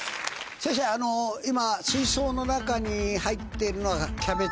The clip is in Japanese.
先生あの今水槽の中に入ってるのが。